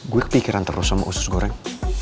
gue kepikiran terus sama usus goreng